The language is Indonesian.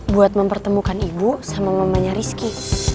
buat mempertemukan ibu sama mamanya rizky